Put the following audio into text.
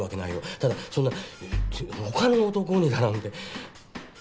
ただそんなほかの男にだなんて。